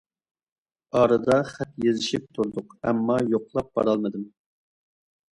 ئارىدا خەت يېزىشىپ تۇردۇق، ئەمما يوقلاپ بارالمىدىم.